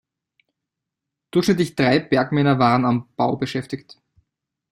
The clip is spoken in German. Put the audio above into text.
Durchschnittlich drei Bergmänner waren am Bau beschäftigt.